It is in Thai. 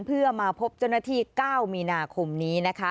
เพื่อมาพบเจ้าหน้าที่๙มีนาคมนี้นะคะ